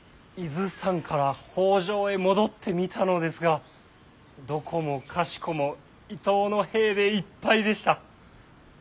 伊豆山から北条へ戻ってみたのですがどこもかしこも伊東の兵でいっぱいでした。